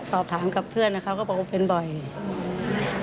ก็คือเป็นอาการกลาง